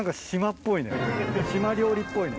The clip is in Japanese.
島料理っぽいね。